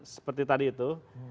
seperti tadi itu